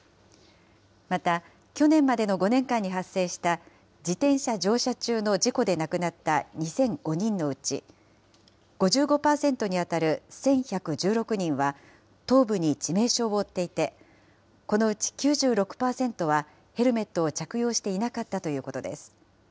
また、去年までの５年間に発生した自転車乗車中の事故で亡くなった２００５人のうち、５５％に当たる１１１６人は頭部に致命傷を負っていて、このうち９６％は、ヘルメットを着用していなかったということです。